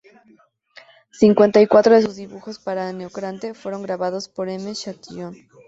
Cincuenta y cuatro de sus dibujos para Anacreonte fueron grabados por M. Châtillon.